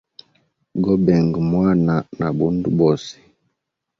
Gobenga bwana na bandu bose.